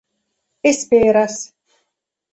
esperas